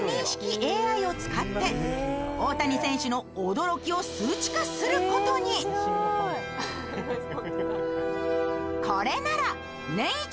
ＡＩを使って大谷選手の驚きを数値化することにこれならネンイチ！